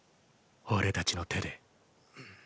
俺たちの手で。